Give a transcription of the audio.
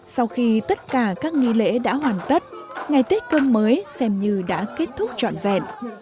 sau khi tất cả các nghi lễ đã hoàn tất ngày tết cơm mới xem như đã kết thúc trọn vẹn